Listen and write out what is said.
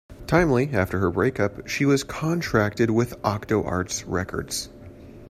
Timely after her break-up, she was contracted with OctoArts Records.